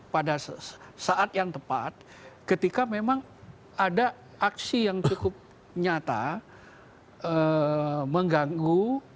pada saat yang tepat ketika memang ada aksi yang cukup nyata mengganggu